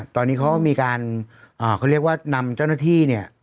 ตอนนี้เขาก็มีการเขาเรียกว่านำเจ้าหน้าที่เนี่ย